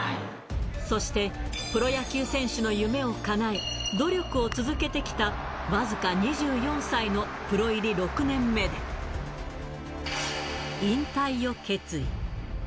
そして、プロ野球選手の夢をかなえ、努力を続けてきた僅か２４歳のプロ入り６年目で、引退を決意。